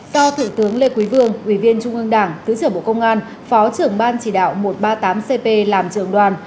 do thượng tướng lê quý vương ủy viên trung ương đảng thứ trưởng bộ công an phó trưởng ban chỉ đạo một trăm ba mươi tám cp làm trưởng đoàn